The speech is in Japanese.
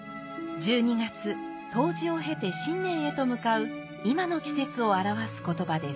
１２月冬至を経て新年へと向かう今の季節を表す言葉です。